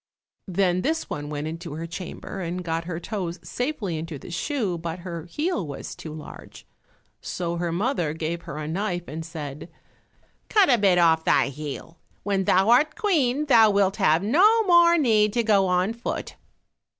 Then this one went into her chamber and got her toes safely into the shoe, but her heel was too large. So her mother gave her a knife and said, "Cut a bit off thy heel; when thou art Queen thou wilt have no more need to go on foot."